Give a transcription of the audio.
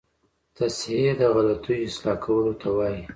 تصحیح د غلطیو اصلاح کولو ته وايي.